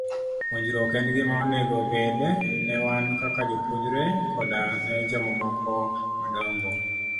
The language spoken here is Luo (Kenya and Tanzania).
Puonjruok en gima onego obed ne wan kaka jopuonjre, koda ne jomamoko madongo.